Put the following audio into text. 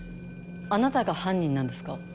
あなたが犯人なんですか？